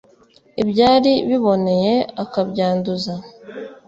ibyari biboneye akabyanduza